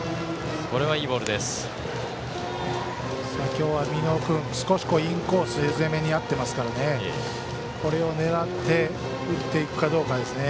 今日は美濃君少しインコース攻めにあってますからこれを狙って打っていくかどうかですね。